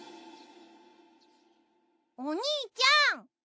お兄ちゃん！